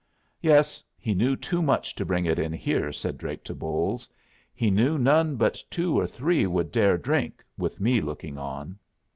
"Yes, he knew too much to bring it in here," said Drake to Bolles. "He knew none but two or three would dare drink, with me looking on."